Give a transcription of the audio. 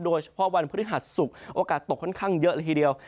วันพฤหัสศุกร์โอกาสตกค่อนข้างเยอะละทีเดียว